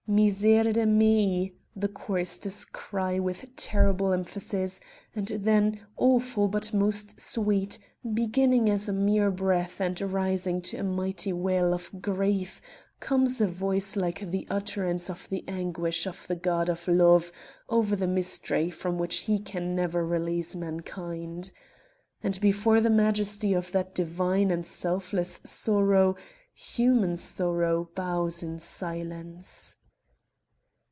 "Miserere mei" the choristers cry with terrible emphasis; and then, awful but most sweet, beginning as a mere breath and rising to a mighty wail of grief, comes a voice like the utterance of the anguish of the God of Love over the misery from which He can never release mankind. And before the majesty of that divine and selfless sorrow human sorrow bows in silence.